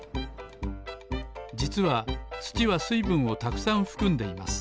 じつはつちはすいぶんをたくさんふくんでいます。